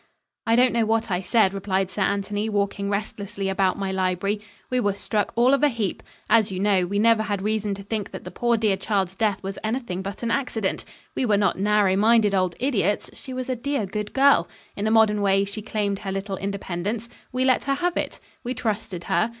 "I don't know what I said," replied Sir Anthony, walking restlessly about my library. "We were struck all of a heap. As you know, we never had reason to think that the poor dear child's death was anything but an accident. We were not narrow minded old idiots. She was a dear good girl. In a modern way she claimed her little independence. We let her have it. We trusted her.